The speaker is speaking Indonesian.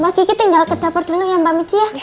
mbak kiki tinggal ke dapur dulu ya mbak michi ya